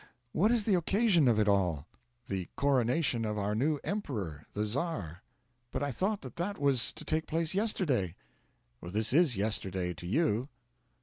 What is the occasion of it all?' 'The coronation of our new emperor the Czar.' 'But I thought that that was to take place yesterday.' 'This is yesterday to you.'